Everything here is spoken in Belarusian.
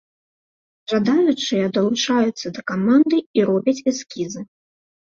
Жадаючыя далучаюцца да каманды і робяць эскізы.